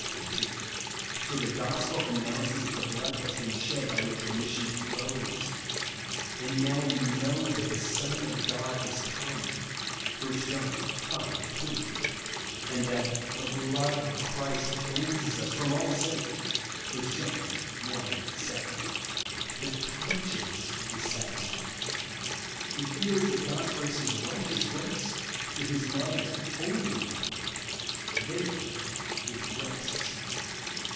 22) ; so the gospel announces that the blood has been shed by which remission flows ; and now we know that "the Son of God is come" (1 John v. 20), and that " the blood of Christ cleanses us from all sin," (1 John i. 7). The conscience is satisfied. It feels that God's grace is righteous THE liLGOlJ OF SPRINKLING . 59 grace, that liis love is lioly love. There it rests.